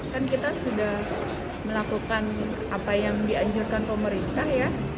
kan kita sudah melakukan apa yang dianjurkan pemerintah ya